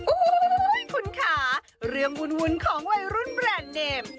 โอ้โหคุณค่ะเรื่องวุ่นของวัยรุ่นแบรนด์เนม